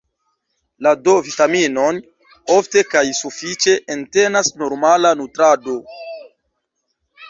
La D-vitaminon ofte kaj sufiĉe entenas normala nutrado.